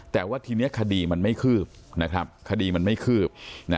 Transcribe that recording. แต่ว่าทีนี้คดีมันไม่คืบนะครับคดีมันไม่คืบ